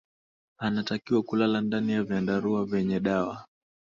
anatakiwa kulala ndani ya vyandarua vyenye dawa